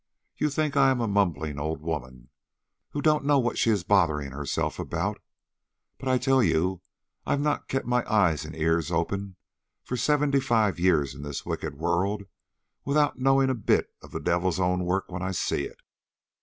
You think I am a mumbling old woman who don't know what she is bothering herself about. But I tell you I've not kept my eyes and ears open for seventy five years in this wicked world without knowing a bit of the devil's own work when I see it."